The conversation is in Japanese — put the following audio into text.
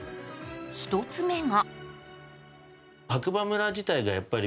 １つ目が。